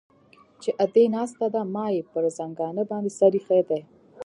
چې ادې ناسته ده ما يې پر زنګانه باندې سر ايښى دى.